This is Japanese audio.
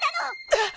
えっ！？